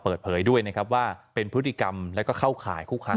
เปิดเผยด้วยนะครับว่าเป็นพฤติกรรมแล้วก็เข้าข่ายคุกคาม